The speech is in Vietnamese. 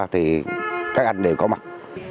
thì các anh đều có mặt